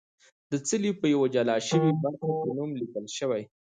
د څلي په یوه جلا شوې برخه کې نوم لیکل شوی.